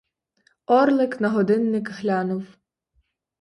Орлик на годинник глянув.